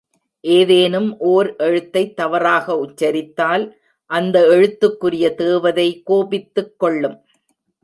ஏதேனும் ஒர் எழுத்தைத் தவறாக உச்சரித்தால் அந்த எழுத்துக்குரிய தேவதை கோபித்துக் கொள்ளும்.